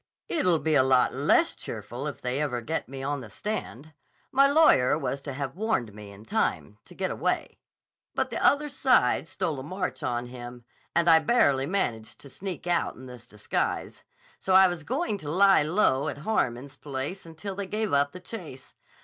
"It'll be a lot less cheerful if they ever get me on the stand. My lawyer was to have warned me in time to get away, but the other side stole a march on him, and I barely managed to sneak out in this disguise. So I was going to lie low at Harmon's place until they gave up the chase.